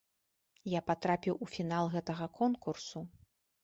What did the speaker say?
Я патрапіў у фінал гэтага конкурсу.